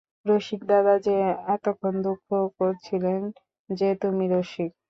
রসিকদাদা যে এতক্ষণ দুঃখ করছিলেন যে তুমি– রসিক।